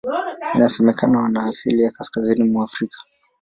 Inasemekana wana asili ya Kaskazini mwa Afrika.